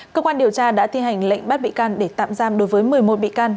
cơ quan điều tra đã thi hành lệnh bắt bị can để tạm giam đối với một mươi một bị can